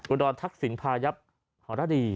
กุฎทักษิงพายับหรอดี